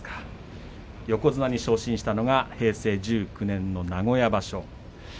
横綱に昇進したのが平成１９年の名古屋場所。